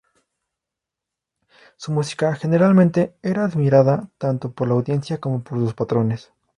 Su música generalmente era admirada tanto por la audiencia como por sus patrones.